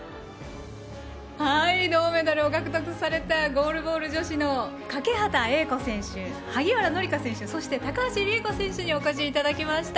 銅メダルを獲得されたゴールボール女子の欠端瑛子選手、萩原紀佳選手そして高橋利恵子選手にお越しいただきました。